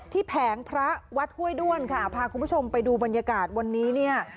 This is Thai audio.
แผงพระวัดห้วยด้วนค่ะพาคุณผู้ชมไปดูบรรยากาศวันนี้เนี่ย